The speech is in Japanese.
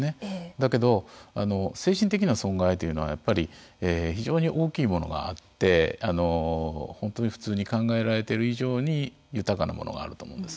だけど、精神的な損害というのはやっぱり非常に大きいものがあって本当に普通に考えられている以上に豊かなものがあると思うんです。